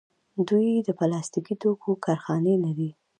دوی د پلاستیکي توکو کارخانې لري.